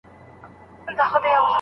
هغه د بيا رغونې بنسټونه وټاکل.